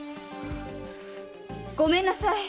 ごめんなさい！